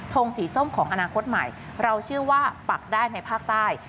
งสีส้มของอนาคตใหม่เราเชื่อว่าปักได้ในภาคใต้